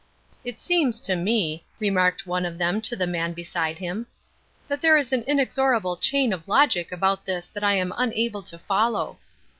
"It seems to me," remarked one of them to the man beside him, "that there is an inexorable chain of logic about this that I am unable to follow."